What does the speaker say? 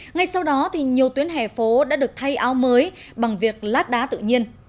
ngay sau đó thì nhiều tuyến hè phố đã được thay áo mới bằng việc lát đá tự nhiên